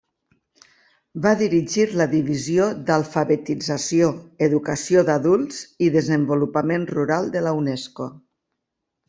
Va dirigir la Divisió d'Alfabetització, Educació d'Adults i Desenvolupament Rural de la Unesco.